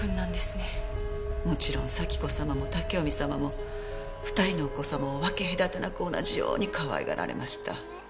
もちろん紗輝子様も武臣様も２人のお子様を分け隔てなく同じようにかわいがられました。